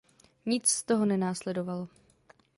Nic z toho nenásledovalo.